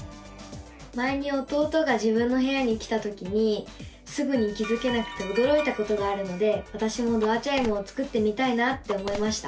前に弟が自分の部屋に来たときにすぐに気付けなくておどろいたことがあるのでわたしもドアチャイムを作ってみたいなって思いました！